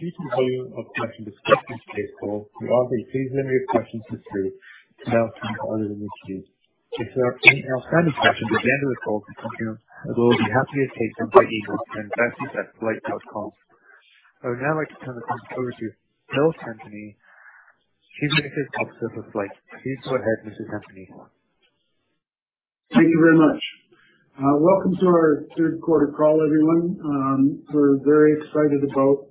Thank you very much. Welcome to our Third Quarter Call, everyone. We're very excited about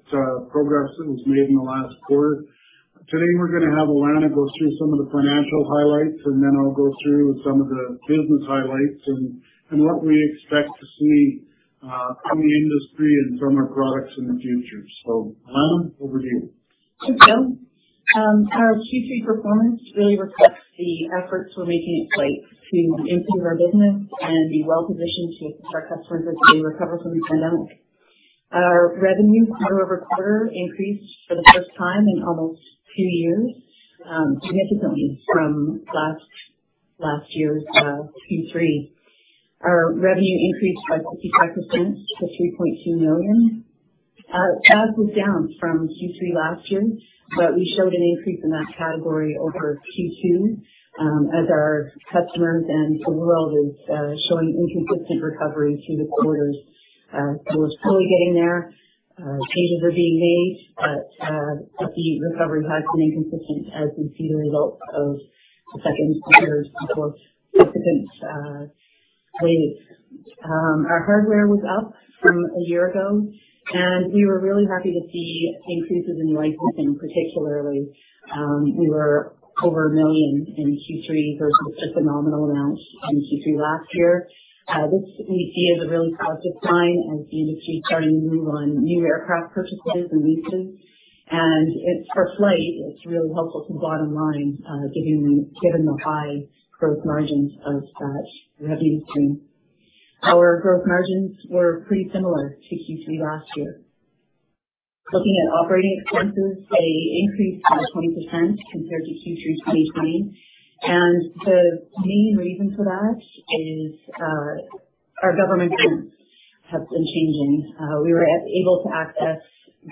progress that was made in the last quarter. Today, we're gonna have Alana go through some of the financial highlights, and then I'll go through some of the business highlights and what we expect to see from the industry and from our products in the future. Alana, over to you. Thanks, Bill. Our Q3 performance really reflects the efforts we're making at FLYHT to improve our business and be well-positioned to assist our customers as they recover from the pandemic. Our revenue quarter-over-quarter increased for the first time in almost two years, significantly from last year's Q3. Our revenue increased by 55% to 3.2 million. SaaS was down from Q3 last year, but we showed an increase in that category over Q2, as our customers and the world is showing inconsistent recovery through the quarters. It's slowly getting there. Changes are being made, but the recovery has been inconsistent as we see the results of the second quarter's "significant" wave. Our hardware was up from a year ago, and we were really happy to see increases in licensing particularly. We were over 1 million in Q3 versus just a nominal amount in Q3 last year. This we see as a really positive sign as the industry is starting to move on new aircraft purchases and leases. For FLYHT, it's really helpful to the bottom line, given the high gross margins of that revenue stream. Our gross margins were pretty similar to Q3 last year. Looking at operating expenses, they increased by 20% compared to Q3 2020. The main reason for that is, our government grants have been changing. We were able to access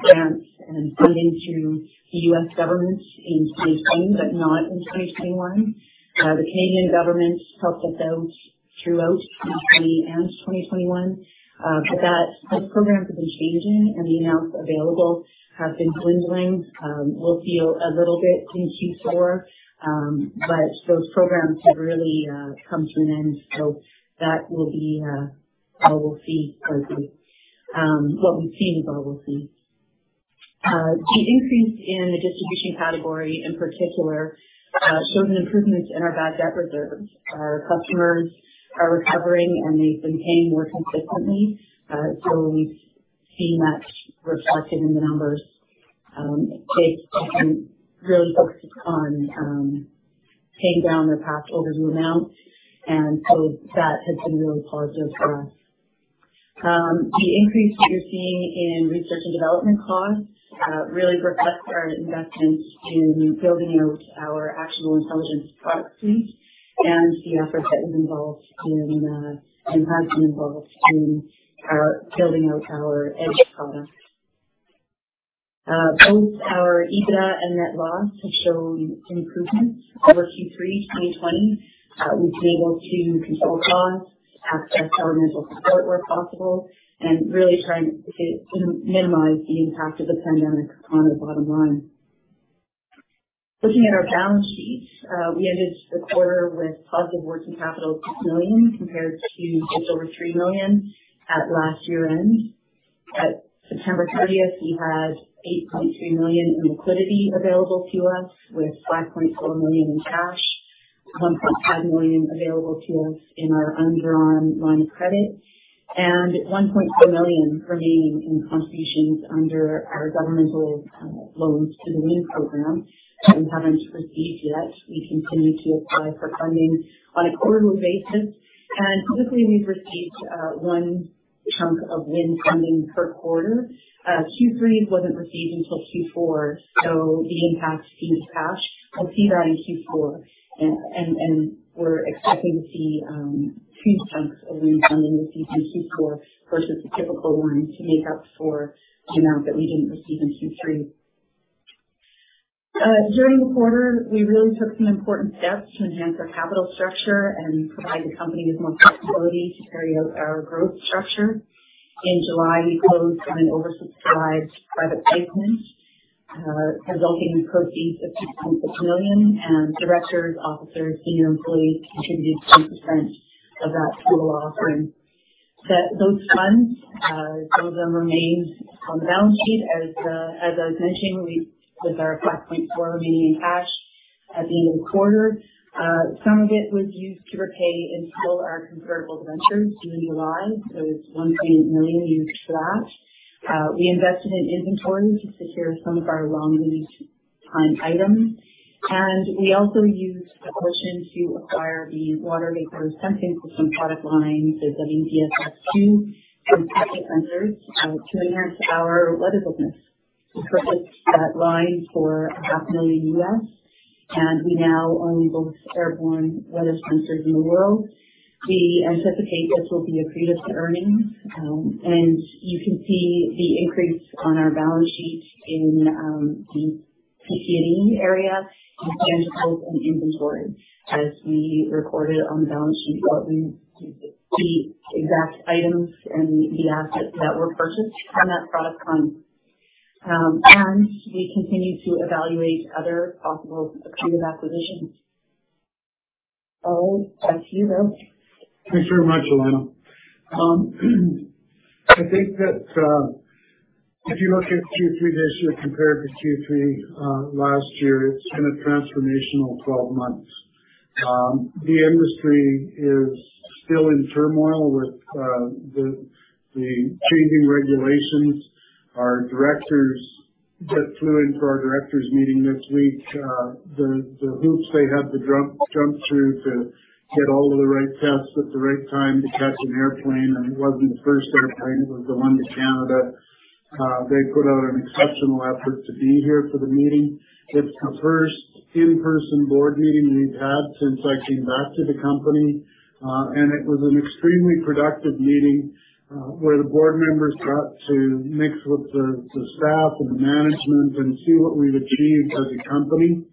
grants and funding through the U.S. government in 2020, but not in 2021. The Canadian government helped us out throughout 2020 and 2021. Those programs have been changing, and the amounts available have been dwindling. We'll feel a little bit in Q4, but those programs have really come to an end. That will be what we'll see going through. What we've seen is what we'll see. The increase in the distribution category in particular shows an improvement in our bad debt reserves. Our customers are recovering, and they've been paying more consistently. We've seen that reflected in the numbers. They've been really focused on paying down their past overdue amounts, and so that has been really positive for us. The increase that you're seeing in research and development costs really reflects our investments in building out our Actionable Intelligence product suite and the effort that was involved in and has been involved in building out our Edge product. Both our EBITDA and net loss have shown improvement over Q3 2020. We've been able to control costs, access governmental support where possible, and really trying to minimize the impact of the pandemic on the bottom line. Looking at our balance sheet, we ended the quarter with positive working capital of 6 million compared to just over 3 million at last year-end. At September 30, we had 8.2 million in liquidity available to us, with 5.4 million in cash, 1.5 million available to us in our undrawn line of credit, and 1.4 million remaining in contributions under our governmental loans to the WIN program that we haven't received yet. We continue to apply for funding on a quarterly basis. Typically, we've received one chunk of WIN funding per quarter. Q3 wasn't received until Q4, so the impact to cash, we'll see that in Q4. We're expecting to see two chunks of WIN funding received in Q4 versus the typical one to make up for the amount that we didn't receive in Q3. During the quarter, we really took some important steps to enhance our capital structure and provide the company with more flexibility to carry out our growth strategy. In July, we closed on an oversubscribed private placement, resulting in proceeds of 6.6 million, and directors, officers, senior employees contributed 10% of that total offering. Those funds, some of them remained on the balance sheet. As I was mentioning, with our 5.4 million remaining in cash at the end of the quarter, some of it was used to repay in full our convertible debentures due in July. It's 1 million used for that. We invested in inventory to secure some of our long lead time items, and we also used the cushion to acquire the Water Vapor Sensing System product line, the WVSS-II from SpectraSensors, to enhance our weather business. We purchased that line for half a million USD, and we now own both airborne weather sensors in the world. We anticipate this will be accretive to earnings. You can see the increase on our balance sheet in the prepaid area, intangibles, and inventory as we recorded on the balance sheet the exact items and the assets that were purchased from that product line. We continue to evaluate other possible accretive acquisitions. Paul, back to you now. Thanks very much, Alana. I think that if you look at Q3 this year compared to Q3 last year, it's been a transformational 12 months. The industry is still in turmoil with the changing regulations. Our directors just flew in for our directors meeting this week. The hoops they had to jump through to get all of the right tests at the right time to catch an airplane, and it wasn't the first airplane, it was the one to Canada. They put out an exceptional effort to be here for the meeting. It's the first in-person board meeting we've had since I came back to the company, and it was an extremely productive meeting where the board members got to mix with the staff and the management and see what we've achieved as a company.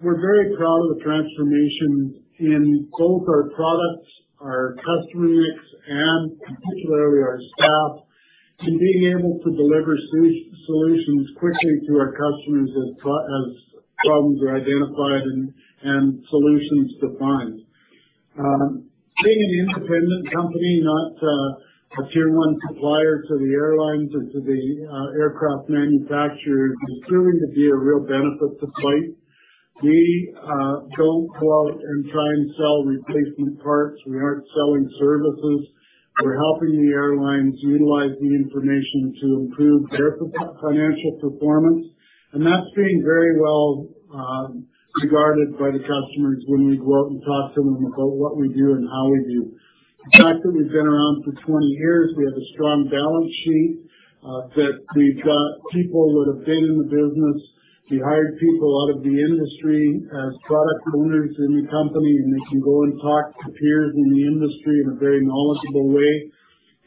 We're very proud of the transformation in both our products, our customer mix, and particularly our staff, in being able to deliver solutions quickly to our customers as problems are identified and solutions defined. Being an independent company, not a tier one supplier to the airlines and to the aircraft manufacturers is proving to be a real benefit to FLYHT. We don't go out and try and sell replacement parts. We aren't selling services. We're helping the airlines utilize the information to improve their financial performance, and that's being very well regarded by the customers when we go out and talk to them about what we do and how we do. The fact that we've been around for 20 years, we have a strong balance sheet, that we've got people that have been in the business. We hired people out of the industry as product owners in the company, and they can go and talk to peers in the industry in a very knowledgeable way,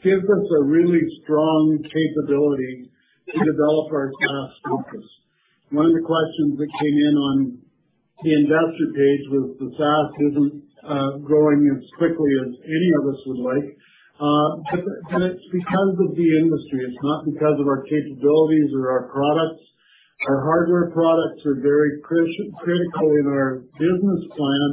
gives us a really strong capability to develop our SaaS focus. One of the questions that came in on the investor page was the SaaS isn't growing as quickly as any of us would like, but it's because of the industry. It's not because of our capabilities or our products. Our hardware products are very critical in our business plan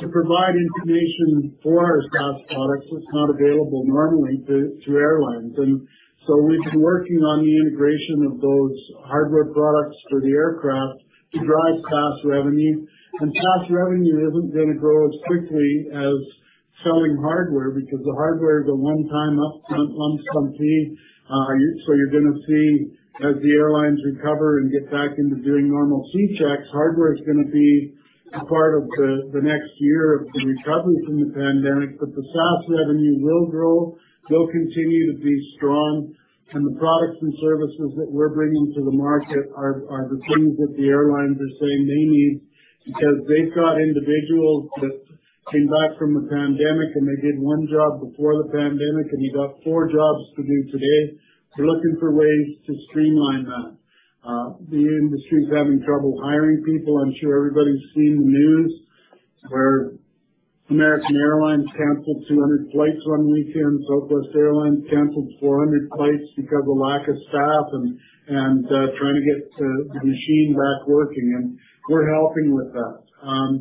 to provide information for our SaaS products that's not available normally to airlines. We've been working on the integration of those hardware products for the aircraft to drive SaaS revenue. SaaS revenue isn't gonna grow as quickly as selling hardware because the hardware is a one-time up-front lump sum fee. You're gonna see as the airlines recover and get back into doing normal C checks, hardware is gonna be a part of the next year of the recovery from the pandemic. The SaaS revenue will grow. They'll continue to be strong. The products and services that we're bringing to the market are the things that the airlines are saying they need because they've got individuals that came back from the pandemic, and they did one job before the pandemic, and you got four jobs to do today. They're looking for ways to streamline that. The industry is having trouble hiring people. I'm sure everybody's seen the news where American Airlines canceled 200 flights one weekend, Southwest Airlines canceled 400 flights because of a lack of staff and trying to get the machine back working, and we're helping with that.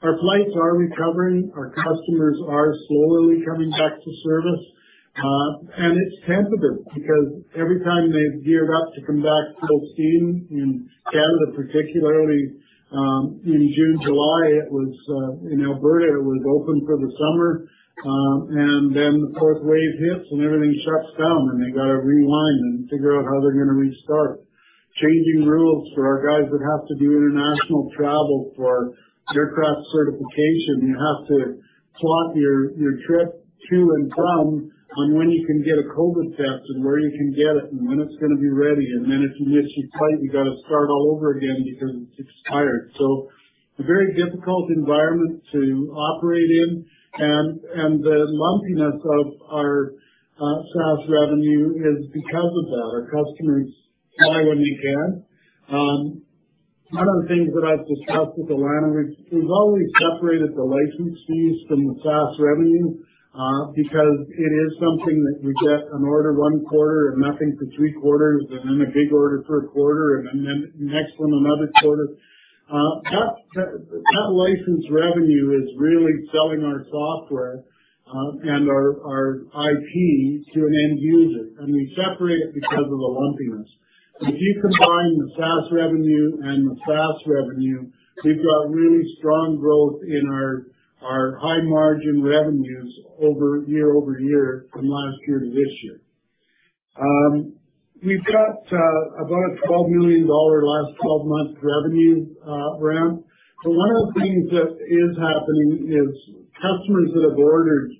Our flights are recovering. Our customers are slowly coming back to service. It's temperamental because every time they've geared up to come back full steam in Canada, particularly, in June, July, it was in Alberta, it was open for the summer. Then the fourth wave hits and everything shuts down, and they gotta rewind and figure out how they're gonna restart. Changing rules for our guys that have to do international travel for aircraft certification. You have to plot your trip to and from on when you can get a COVID test and where you can get it and when it's gonna be ready. If you miss your flight, you gotta start all over again because it's expired. A very difficult environment to operate in. The lumpiness of our SaaS revenue is because of that. Our customers buy when they can. One of the things that I've discussed with Alana, we've always separated the license fees from the SaaS revenue because it is something that you get an order one quarter and nothing for three quarters and then a big order for a quarter and then the next one another quarter. That license revenue is really selling our software and our IP to an end user, and we separate it because of the lumpiness. If you combine the SaaS revenue, we've got really strong growth in our high margin revenues year-over-year from last year to this year. We've got about a 12 million dollar last 12 months revenue ramp. One of the things that is happening is customers that have ordered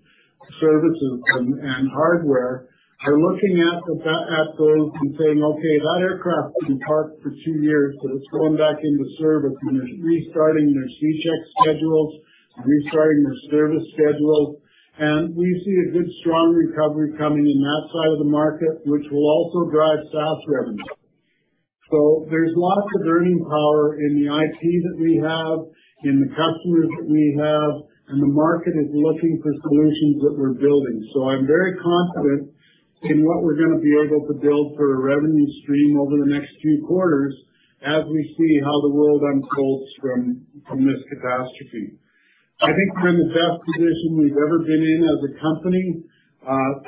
services and hardware are looking at those and saying, "Okay, that aircraft's been parked for two years, so it's going back into service." They're restarting their C-check schedules and restarting their service schedules. We see a good strong recovery coming in that side of the market, which will also drive SaaS revenue. There's lots of earning power in the IT that we have, in the customers that we have, and the market is looking for solutions that we're building. I'm very confident in what we're gonna be able to build for a revenue stream over the next few quarters as we see how the world unfolds from this catastrophe. I think we're in the best position we've ever been in as a company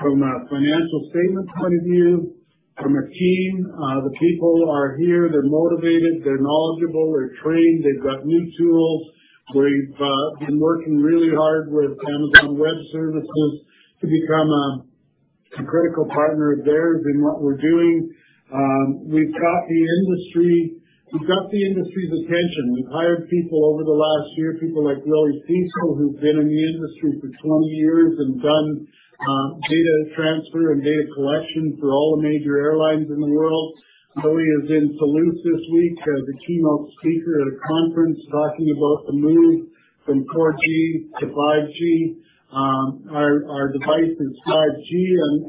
from a financial statement point of view. From a team, the people are here, they're motivated, they're knowledgeable, they're trained, they've got new tools. We've been working really hard with Amazon Web Services to become a critical partner of theirs in what we're doing. We've got the industry's attention. We've hired people over the last year, people like Willie Faessel, who've been in the industry for 20 years and done data transfer and data collection for all the major airlines in the world. Willie is in Toulouse this week as the keynote speaker at a conference talking about the move from 4G to 5G. Our device is 5G,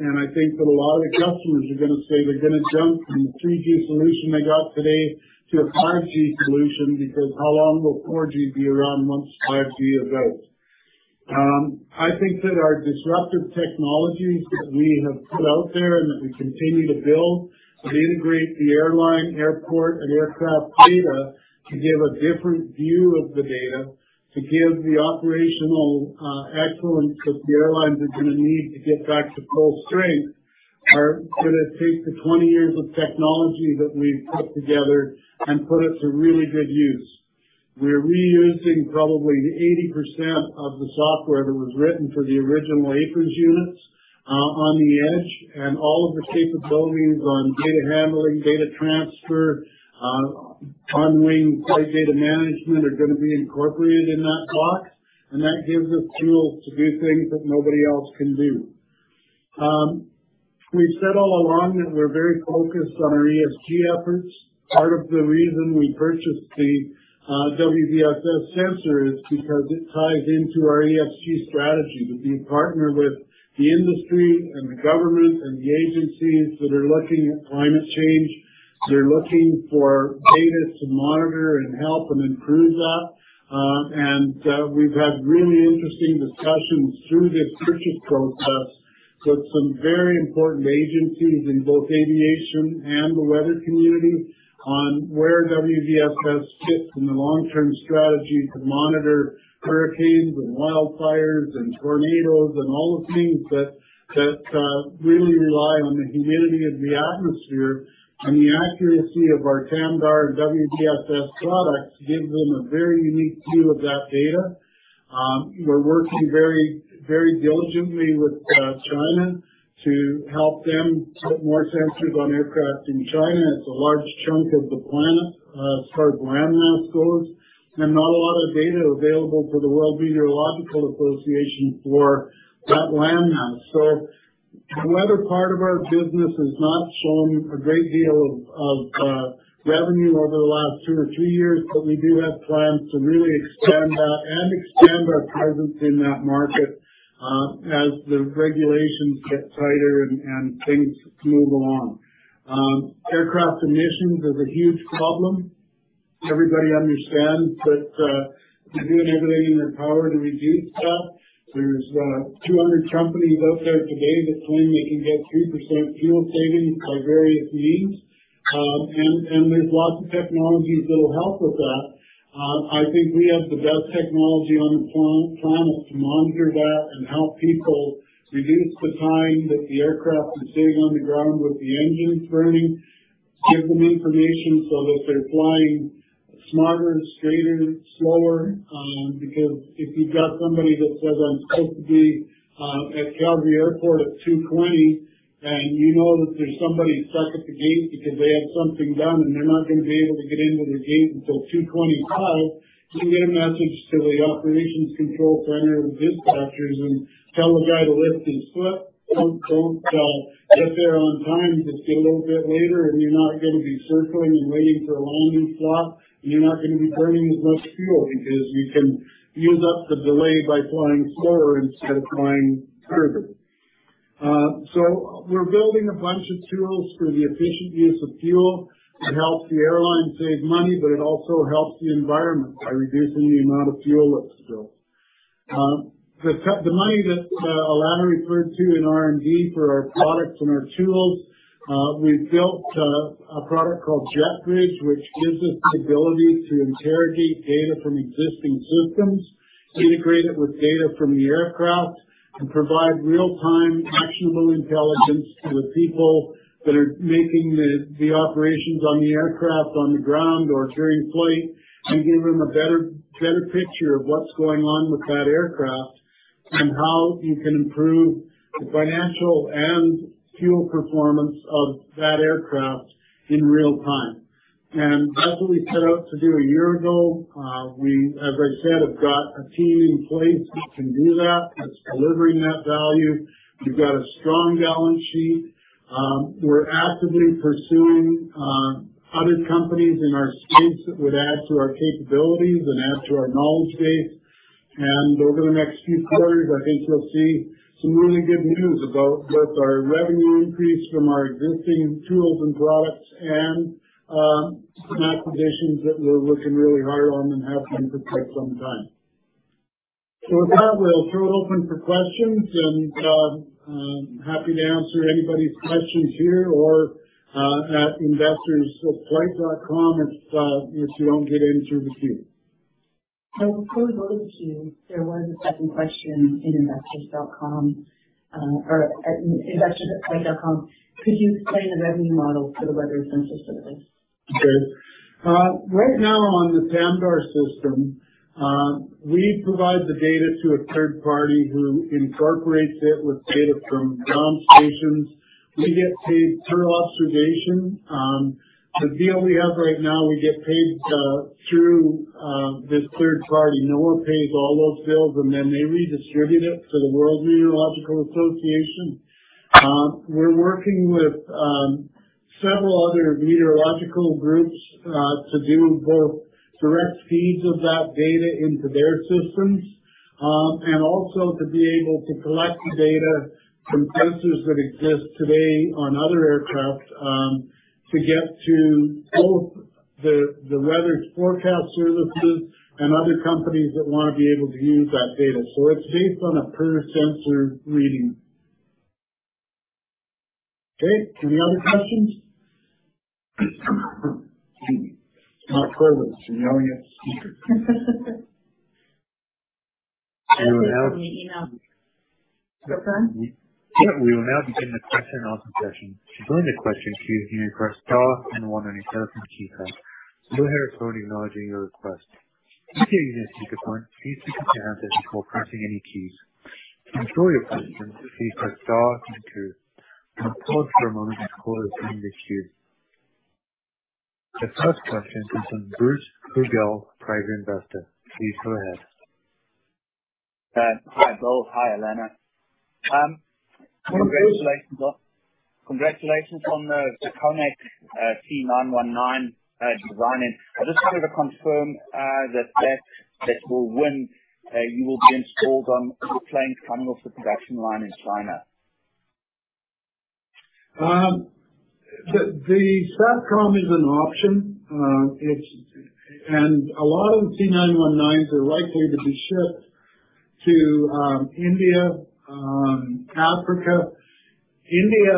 and I think that a lot of the customers are gonna say they're gonna jump from the 3G solution they got today to a 5G solution, because how long will 4G be around once 5G arrives? I think that our disruptive technologies that we have put out there and that we continue to build that integrate the airline, airport, and aircraft data to give a different view of the data, to give the operational excellence that the airlines are gonna need to get back to full strength are gonna take the 20 years of technology that we've put together and put it to really good use. We're reusing probably 80% of the software that was written for the original AFIRS units on the edge, and all of the capabilities on data handling, data transfer, on wing flight data management are gonna be incorporated in that box, and that gives us tools to do things that nobody else can do. We've said all along that we're very focused on our ESG efforts. Part of the reason we purchased the WVSS sensor is because it ties into our ESG strategy to be a partner with the industry and the government and the agencies that are looking at climate change. They're looking for data to monitor and help them improve that. We've had really interesting discussions through this purchase process with some very important agencies in both aviation and the weather community on where WVSS fits in the long-term strategy to monitor hurricanes and wildfires and tornadoes and all the things that really rely on the humidity of the atmosphere. The accuracy of our TAMDAR and WVSS products gives them a very unique view of that data. We're working very, very diligently with China to help them put more sensors on aircraft in China. It's a large chunk of the planet, as far as landmass goes, and not a lot of data available for the World Meteorological Organization for that landmass. The weather part of our business has not shown a great deal of revenue over the last two or three years, but we do have plans to really extend that and extend our presence in that market, as the regulations get tighter and things move along. Aircraft emissions is a huge problem. Everybody understands that, they're doing everything in their power to reduce that. There's 200 companies out there today that claim they can get 3% fuel savings by various means. And there's lots of technologies that'll help with that. I think we have the best technology on the planet to monitor that and help people reduce the time that the aircraft is sitting on the ground with the engines running, give them information so that they're flying smarter, straighter, slower. Because if you've got somebody that says, "I'm supposed to be at Calgary Airport at 2:20," and you know that there's somebody stuck at the gate because they have something done and they're not gonna be able to get in to their gate until 2:25, you can get a message to the operations control center and the dispatchers and tell the guy to lift his foot. Don't get there on time. Just get a little bit later, and you're not gonna be circling and waiting for a landing slot, and you're not gonna be burning as much fuel because you can use up the delay by flying slower instead of flying further. We're building a bunch of tools for the efficient use of fuel. It helps the airline save money, but it also helps the environment by reducing the amount of fuel that's spilled. The money that Alana referred to in R&D for our products and our tools, we've built a product called JetBridge, which gives us the ability to interrogate data from existing systems, integrate it with data from the aircraft, and provide real-time Actionable Intelligence to the people that are making the operations on the aircraft on the ground or during flight, and give them a better picture of what's going on with that aircraft. How you can improve the financial and fuel performance of that aircraft in real time. That's what we set out to do a year ago. We, as I said, have got a team in place that can do that's delivering that value. We've got a strong balance sheet. We're actively pursuing other companies in our space that would add to our capabilities and add to our knowledge base. Over the next few quarters, I think you'll see some really good news about both our revenue increase from our existing tools and products and some acquisitions that we're working really hard on and have been for quite some time. With that, we'll throw it open for questions, and happy to answer anybody's questions here or at investors@flyht.com if you don't get answered with you. Before we go to the queues, there was a second question in investors.com or investors.flyht.com. Could you explain the revenue model for the weather sensor service? Okay. Right now on the TAMDAR system, we provide the data to a third party who incorporates it with data from ground stations. We get paid per observation. The deal we have right now, we get paid through this third party. NOAA pays all those bills, and then they redistribute it to the World Meteorological Organization. We're working with several other meteorological groups to do both direct feeds of that data into their systems and also to be able to collect the data from sensors that exist today on other aircraft to get to both the weather forecast services and other companies that wanna be able to use that data. It's based on a per sensor reading. Okay. Any other questions? It's not COVID. It's an alien. We will now. The email. Go ahead. We will now begin the question and answer session. To join the question queue, you can press star then one on your telephone keypad. We'll hear a tone acknowledging your request. If you're using a speakerphone, please pick it up before pressing any keys. To control your questions, please press star then two. Pause for a moment before leaving the queue. The first question is from Bruce Krugel, KRC Insights. Please go ahead. Hi, Bill. Hi, Alana. Congratulations on the AFIRS 228 C919 design-in. I just wanted to confirm that you will be installed on the plane coming off the production line in China. The SATCOM is an option. A lot of the C919s are likely to be shipped to India, Africa. India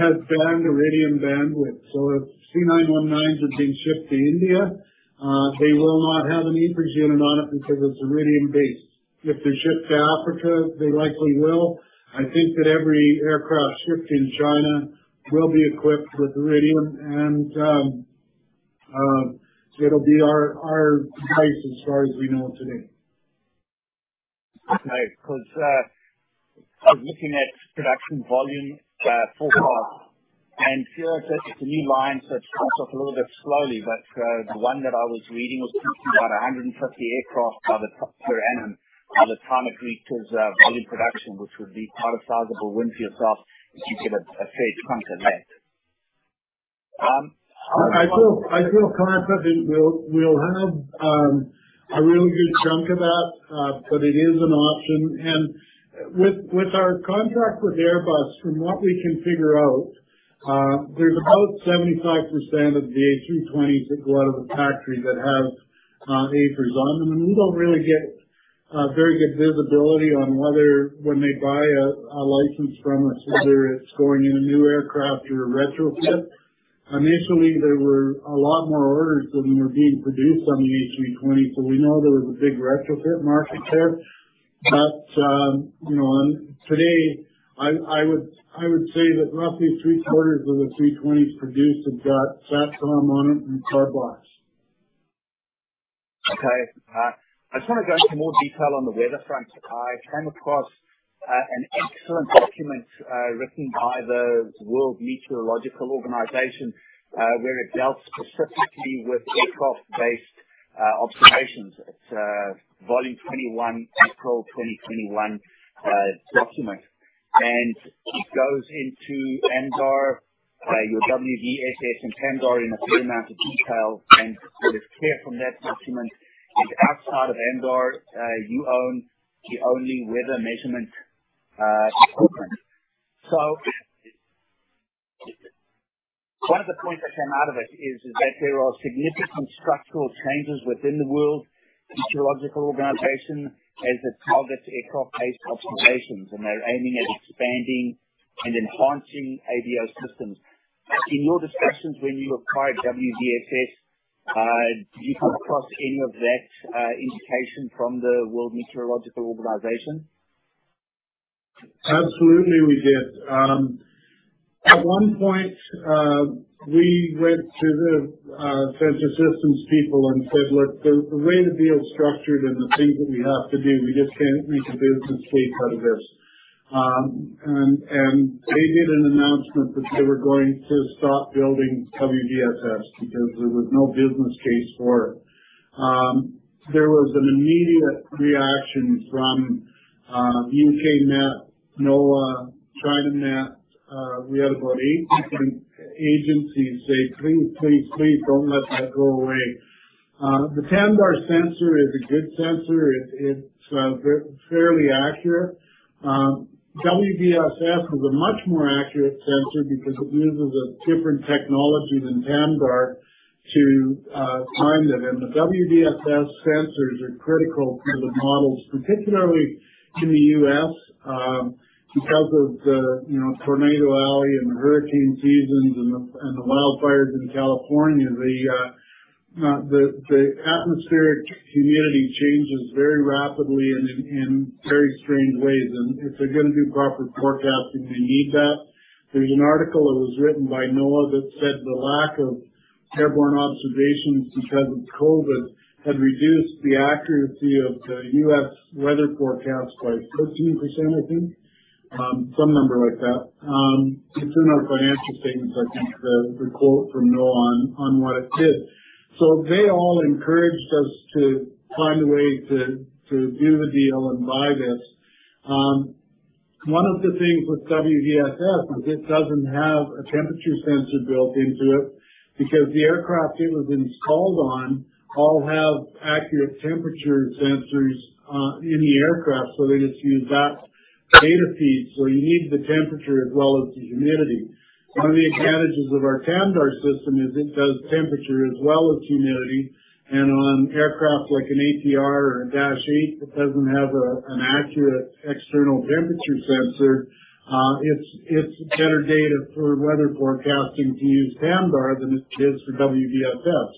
has banned Iridium bandwidth. If C919s are being shipped to India, they will not have an AFIRS unit on it because it's Iridium-based. If they're shipped to Africa, they likely will. I think that every aircraft shipped in China will be equipped with Iridium, so it'll be our device as far as we know today. Okay. Because I was looking at production volume, full rate, and I fear that the new line starts off a little bit slowly. The one that I was reading was talking about 150 aircraft by the third year in by the time it reaches volume production, which would be quite a sizable win for yourself if you get a fair chunk of that. I feel confident we'll have a really good chunk of that, but it is an option. With our contract with Airbus, from what we can figure out, there's about 75% of the A320s that go out of the factory that have AFIRS on them. We don't really get very good visibility on whether when they buy a license from us, whether it's going in a new aircraft or a retrofit. Initially, there were a lot more orders than were being produced on the A320, so we know there was a big retrofit market there. You know, and today I would say that roughly 75% of the A320s produced have got SATCOM on them and HUD blocks. Okay. I just wanna go into more detail on the weather front. I came across an excellent document written by the World Meteorological Organization where it dealt specifically with aircraft-based observations. It's volume 21, April 2021, document. It goes into AMDAR, your WVSS and TAMDAR in a fair amount of detail. What is clear from that document is outside of AMDAR, you own the only weather measurement equipment. One of the points that came out of it is that there are significant structural changes within the World Meteorological Organization as it targets aircraft-based observations, and they're aiming at expanding and enhancing AMDAR systems. In your discussions when you acquired WVSS, did you come across any of that indication from the World Meteorological Organization? Absolutely, we did. At one point, we went to the sensor systems people and said, "Look, the way the deal is structured and the things that we have to do, we just can't make a business case out of this." They did an announcement that they were going to stop building WVSS because there was no business case for it. There was an immediate reaction from U.K. Met, NOAA, China Met. We had about 8 different agencies say, "Please, please don't let that go away." The TAMDAR sensor is a good sensor. It's fairly accurate. WVSS was a much more accurate sensor because it uses a different technology than TAMDAR to find it. The WVSS sensors are critical for the models, particularly in the U.S., because of the, you know, Tornado Alley and the hurricane seasons and the wildfires in California. The atmospheric humidity changes very rapidly and in very strange ways. If they're gonna do proper forecasting, they need that. There's an article that was written by NOAA that said the lack of airborne observations because of COVID had reduced the accuracy of the U.S. weather forecast by 13%, I think. Some number like that. It's in our financial statements, I think, the quote from NOAA on what it did. They all encouraged us to find a way to do the deal and buy this. One of the things with WVSS is it doesn't have a temperature sensor built into it because the aircraft it was installed on all have accurate temperature sensors in the aircraft, so they just use that data feed. You need the temperature as well as the humidity. One of the advantages of our TAMDAR system is it does temperature as well as humidity. On aircraft like an ATR or a Dash 8 that doesn't have an accurate external temperature sensor, it's better data for weather forecasting to use TAMDAR than it is for WVSS.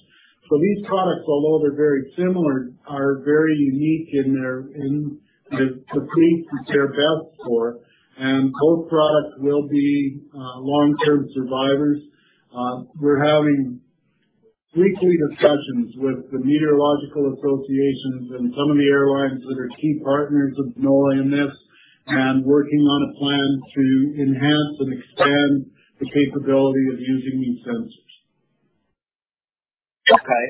These products, although they're very similar, are very unique in the fleets that they're best for, and both products will be long-term survivors. We're having weekly discussions with the meteorological associations and some of the airlines that are key partners of NOAA, and working on a plan to enhance and expand the capability of using these sensors. Okay.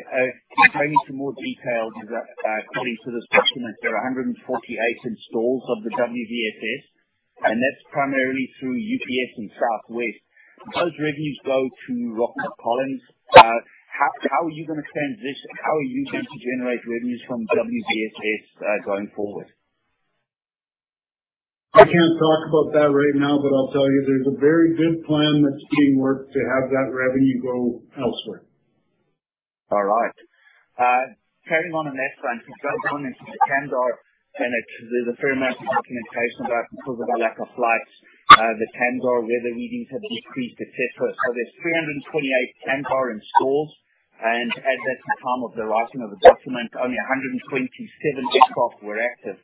Can you bring some more detail to that? According to this document, there are 148 installs of the WVSS, and that's primarily through UPS and Southwest. Those revenues go to Rockwell Collins. How are you gonna transition? How are you going to generate revenues from WVSS going forward? I can't talk about that right now, but I'll tell you there's a very good plan that's being worked to have that revenue go elsewhere. All right. Carrying on that front, if we go on into the TAMDAR annex, there's a fair amount of documentation about because of the lack of flights, the TAMDAR weather readings have decreased, et cetera. There's 328 TAMDAR installs, and at the time of the writing of the document, only 127 aircraft were active.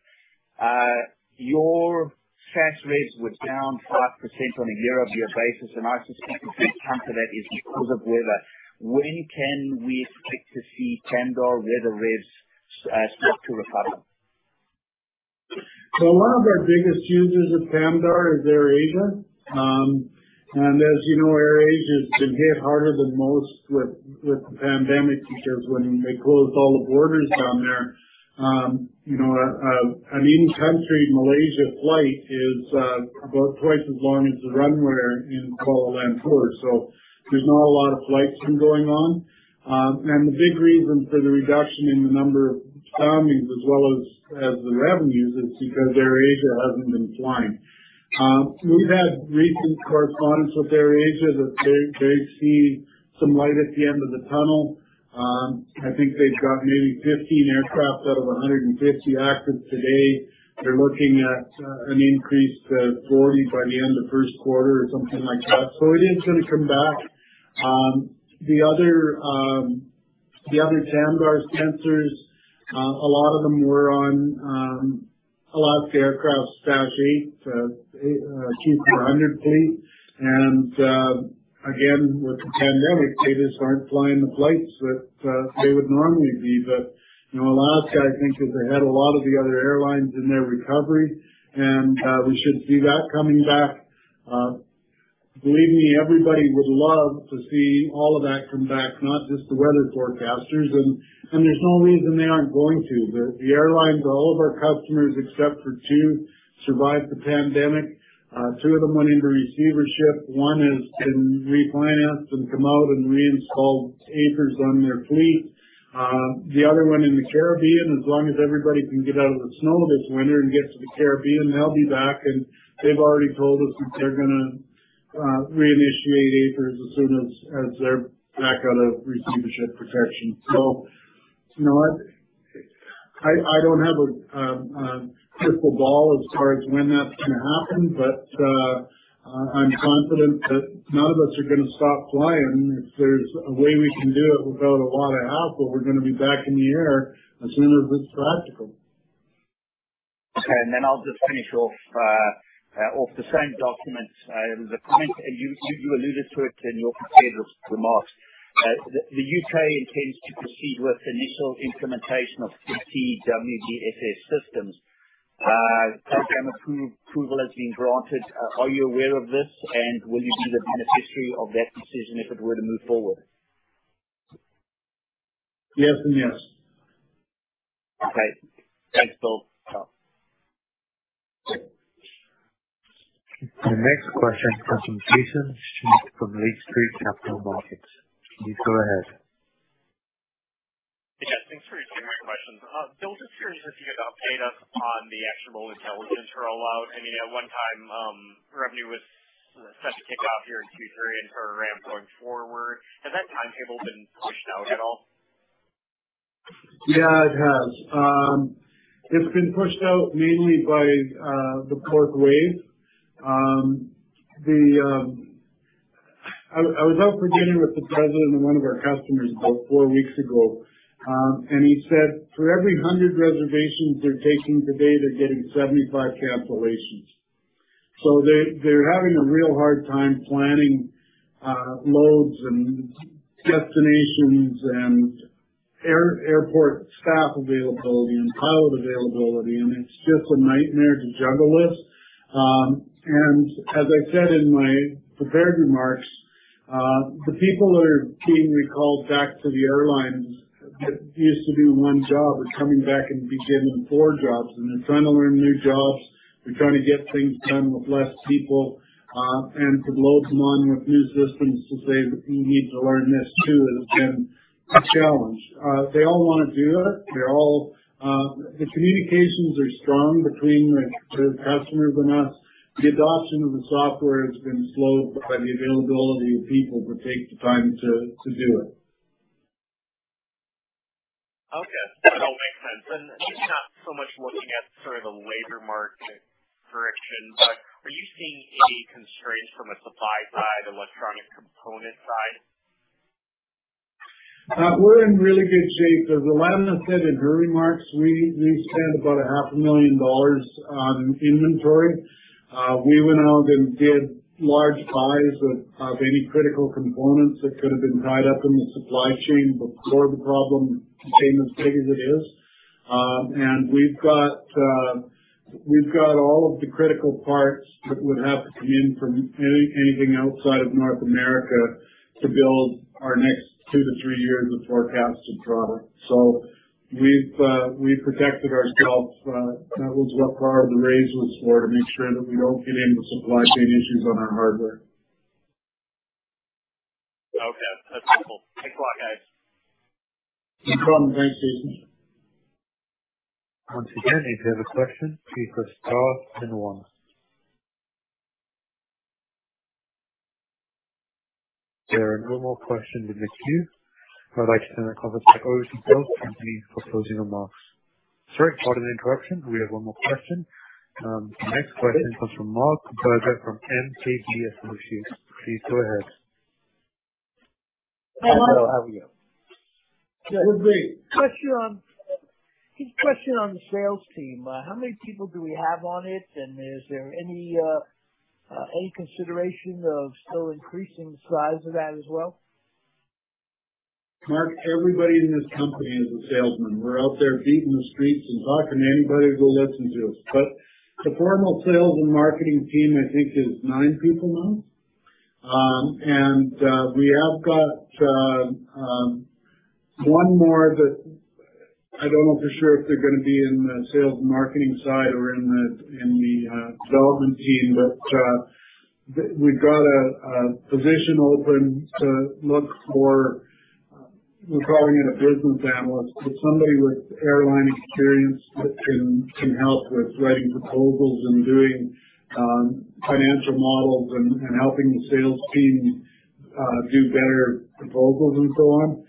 Your SaaS revs were down 5% on a year-over-year basis, and I suspect a big chunk of that is because of weather. When can we expect to see TAMDAR weather revs start to recover? One of our biggest users of TAMDAR is AirAsia. As you know, AirAsia has been hit harder than most with the pandemic because when they closed all the borders down there, you know, an in-country Malaysia flight is about twice as long as the runway in Kuala Lumpur. There's not a lot of flights been going on. The big reason for the reduction in the number of TAMDARs as well as the revenues is because AirAsia hasn't been flying. We've had recent correspondence with AirAsia that they see some light at the end of the tunnel. I think they've got maybe 15 aircraft out of 150 active today. They're looking at an increase to 40 by the end of first quarter or something like that. It is gonna come back. The other TAMDAR sensors, a lot of them were on Alaska Airlines aircraft Dash 8 Q400 fleet. Again, with the pandemic, they just aren't flying the flights that they would normally be. You know, Alaska, I think, is ahead a lot of the other airlines in their recovery and we should see that coming back. Believe me, everybody would love to see all of that come back, not just the weather forecasters. There's no reason they aren't going to. The airlines, all of our customers except for two, survived the pandemic. Two of them went into receivership. One has been refinanced and come out and reinstalled AFIRS on their fleet. The other one in the Caribbean, as long as everybody can get out of the snow this winter and get to the Caribbean, they'll be back. They've already told us that they're gonna reinitiate AFIRS as soon as they're back out of receivership protection. You know what? I don't have a crystal ball as far as when that's gonna happen, but I'm confident that none of us are gonna stop flying. If there's a way we can do it without a lot of hassle, we're gonna be back in the air as soon as it's practical. Okay. I'll just finish off the same document. You alluded to it in your prepared remarks. The U.K. intends to proceed with initial implementation of CT WDFS systems. Program approval has been granted. Are you aware of this, and will you be the beneficiary of that decision if it were to move forward? Yes and yes. Okay. Thanks, Bill. Ciao. The next question comes from Jaeson Schmidt from Lake Street Capital Markets. Please go ahead. Yes, thanks for taking my questions. Bill, just curious if you could update us on the Actionable Intelligence rollout. I mean, at one time, revenue was set to kick off here in Q3 and for ramp going forward. Has that timetable been pushed out at all? Yeah, it has. It's been pushed out mainly by the fourth wave. I was out for dinner with the president of one of our customers about four weeks ago, and he said for every 100 reservations they're taking today, they're getting 75 cancellations. So they're having a real hard time planning loads and destinations and airport staff availability and pilot availability, and it's just a nightmare to juggle with. As I said in my prepared remarks, the people that are being recalled back to the airlines that used to do one job are coming back and being given four jobs, and they're trying to learn new jobs. They're trying to get things done with less people, and to load them on with new systems to say that you need to learn this too has been a challenge. They all wanna do it. They're all. The communications are strong between the customers and us. The adoption of the software has been slowed by the availability of people to take the time to do it. Okay. That all makes sense. Just not so much looking at sort of the labor market correction, but are you seeing any constraints from a supply side, electronic component side? We're in really good shape. As Alana said in her remarks, we spent about half a million dollars on inventory. We went out and did large buys of any critical components that could have been tied up in the supply chain before the problem became as big as it is. We've got all of the critical parts that would have to come in from anything outside of North America to build our next two to three years of forecasted product. We've protected ourselves. That was part of the raise, to make sure that we don't get any supply chain issues on our hardware. Okay. That's helpful. Thanks a lot, guys. No problem. Thanks, Jaeson. Once again, if you have a question, please press star then one. There are no more questions in the queue. I'd like to turn the conference back over to Bill Tempany for closing remarks. Sorry about the interruption. We have one more question. The next question comes from Marc Berger from MKB Associates. Please go ahead. Hi, Marc. How are you? Good. Great. Quick question on the sales team. How many people do we have on it, and is there any consideration of still increasing the size of that as well? Mark, everybody in this company is a salesman. We're out there beating the streets and talking to anybody who will listen to us. The formal sales and marketing team I think is nine people now. We have got one more that I don't know for sure if they're gonna be in the sales and marketing side or in the development team. We've got a position open to look for. We're calling it a business analyst, but somebody with airline experience that can help with writing proposals and doing financial models and helping the sales team do better proposals and so on.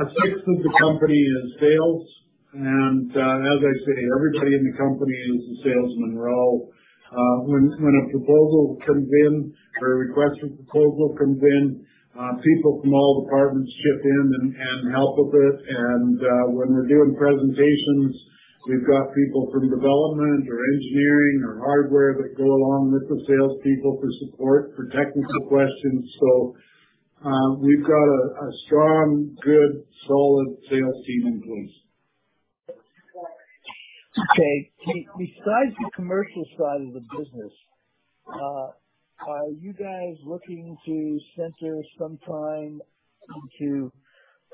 A sixth of the company is sales, and as I say, everybody in the company is a salesman role. When a proposal comes in or a request for proposal comes in, people from all departments chip in and help with it. When we're doing presentations, we've got people from development or engineering or hardware that go along with the salespeople for support, for technical questions. We've got a strong, good, solid sales team in place. Okay. Besides the commercial side of the business, are you guys looking to venture some time into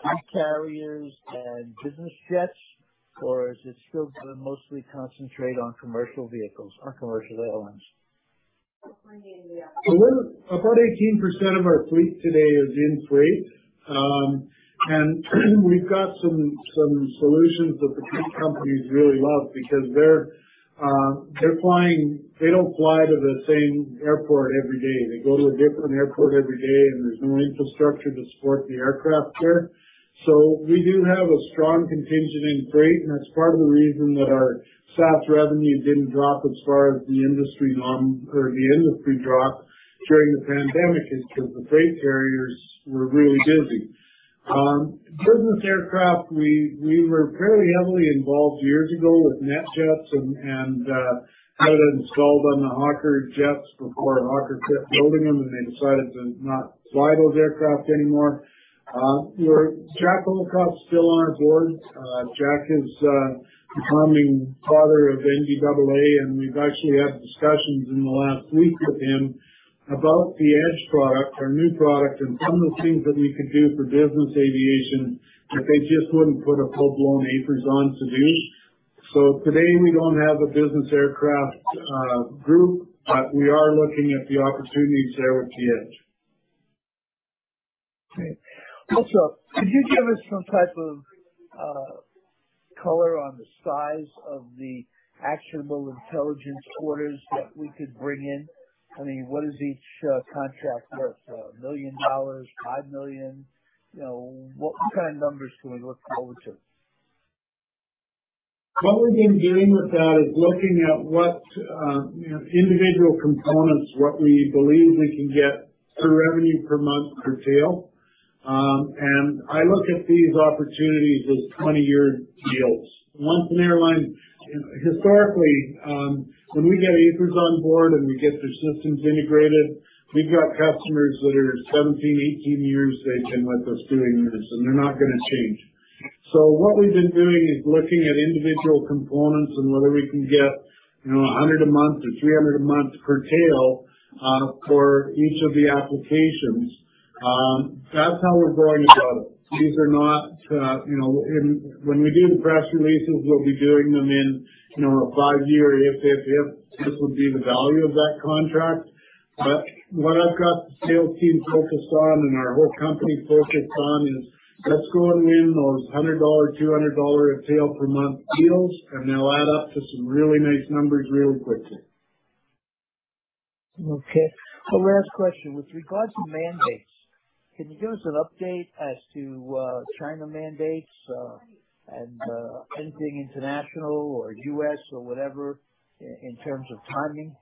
freight carriers and business jets, or is it still gonna mostly concentrate on commercial vehicles or commercial airlines? About 18% of our fleet today is in freight. We've got some solutions that the freight companies really love because they're flying. They don't fly to the same airport every day. They go to a different airport every day, and there's no infrastructure to support the aircraft there. We do have a strong contingent in freight, and that's part of the reason that our SaaS revenue didn't drop as far as the industry norm or the industry dropped during the pandemic is because the freight carriers were really busy. Business aircraft, we were fairly heavily involved years ago with NetJets and had it installed on the Hawker jets before Hawker kept building them, and they decided to not fly those aircraft anymore. Jack Olcott's still on our board. Jack is becoming father of NBAA, and we've actually had discussions in the last week with him about the Edge product, our new product, and some of the things that we could do for business aviation that they just wouldn't put a full-blown AFIRS on to do. Today we don't have a business aircraft group, but we are looking at the opportunities there with the Edge. Okay. Also, could you give us some type of color on the size of the Actionable Intelligence orders that we could bring in? I mean, what is each contract worth? $1 million, $5 million? You know, what kind of numbers can we look forward to? What we've been doing with that is looking at what, you know, individual components, what we believe we can get for revenue per month per tail. I look at these opportunities as 20-year deals. Historically, when we get AFIRS on board and we get their systems integrated, we've got customers that are 17, 18 years they've been with us doing this, and they're not gonna change. What we've been doing is looking at individual components and whether we can get, you know, 100 a month or 300 a month per tail, for each of the applications. That's how we're going about it. These are not, you know. When we do the press releases, we'll be doing them in, you know, a 5-year if this would be the value of that contract. What I've got the sales team focused on and our whole company focused on is let's go and win those 100-dollar, 200-dollar a tail per month deals, and they'll add up to some really nice numbers real quickly. Okay. One last question. With regards to mandates, can you give us an update as to China mandates, and anything international or U.S. or whatever in terms of timing?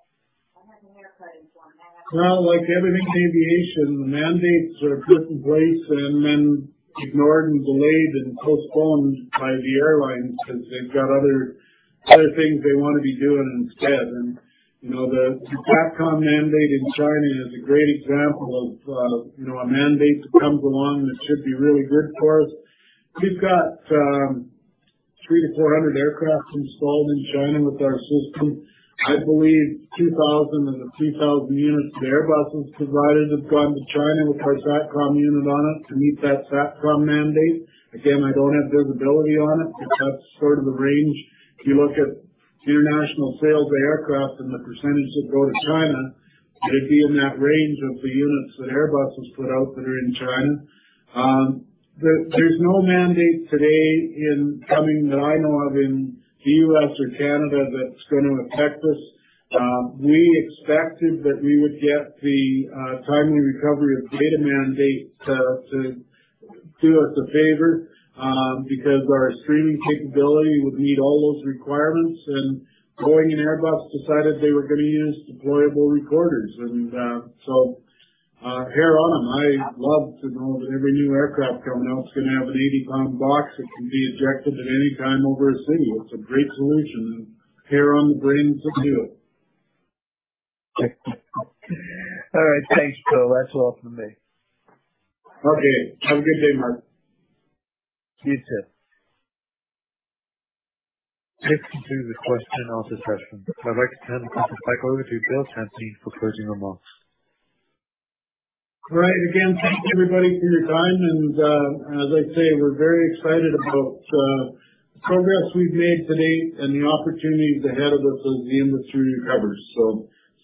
Well, like everything in aviation, the mandates are put in place and then ignored and delayed and postponed by the airlines because they've got other things they wanna be doing instead. You know, the SATCOM mandate in China is a great example of a mandate that comes along that should be really good for us. We've got 300-400 aircraft installed in China with our system. I believe 2,000 of the 3,000 units that Airbus has provided have gone to China with our SATCOM unit on it to meet that SATCOM mandate. Again, I don't have visibility on it, but that's sort of the range. If you look at international sales of aircraft and the percentage that go to China, it'd be in that range of the units that Airbus has put out that are in China. There's no mandate today incoming that I know of in the U.S. or Canada that's gonna affect us. We expected that we would get the timely recovery of data mandate to do us a favor, because our streaming capability would meet all those requirements. Boeing and Airbus decided they were gonna use deployable recorders. Hats off to them. I love to know that every new aircraft coming out is gonna have an 80-pound box that can be ejected at any time over a city. It's a great solution. Hats off to the brains that do it. All right. Thanks, Bill. That's all for me. Okay. Have a good day, Marc. You too. This concludes the question and answer session. I'd like to turn the conference back over to Bill Tempany for closing remarks. Great. Again, thanks everybody for your time. As I say, we're very excited about the progress we've made to date and the opportunities ahead of us as the industry recovers.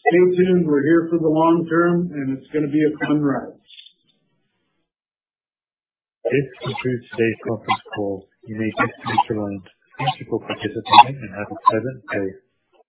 Stay tuned. We're here for the long term, and it's gonna be a fun ride. This concludes today's conference call. You may disconnect your lines. Thank you for participating and have a pleasant day.